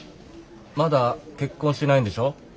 まだ結婚してないんでしょ？